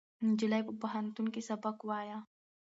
نجلۍ په پوهنتون کې سبق وایه.